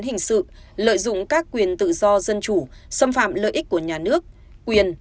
hình sự lợi dụng các quyền tự do dân chủ xâm phạm lợi ích của nhà nước quyền